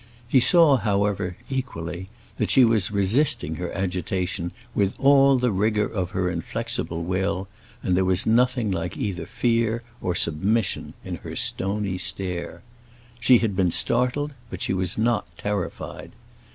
He saw, however, equally, that she was resisting her agitation with all the rigor of her inflexible will, and there was nothing like either fear or submission in her stony stare. She had been startled, but she was not terrified.